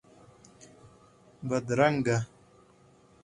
بدرنګه